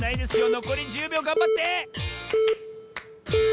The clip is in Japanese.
のこり１０びょうがんばって！